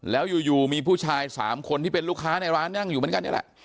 แล้วอยู่มีผู้ชาย๓คนที่เป็นลูกค้าในร้านนั่งอยู่เหมือนกันนี่แหละ